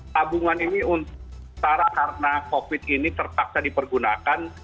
tabungan ini karena covid ini tertaksa dipergunakan